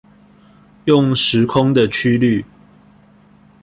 用時空的曲率